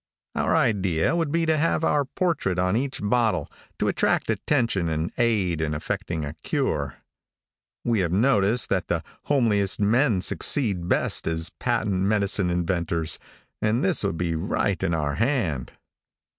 Our idea would be to have our portrait on each bottle, to attract attention and aid in effecting a cure. We have noticed that the homeliest men succeed best as patent medicine inventors, and this would be right in our hand.